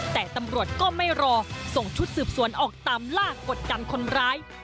แต่ตำรวจก็ไม่รอส่งชุดสืบสวนออกตามล่ากดดันคนร้าย